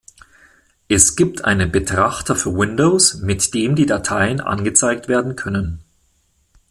Es gibt einen Betrachter für Windows, mit dem die Dateien angezeigt werden können.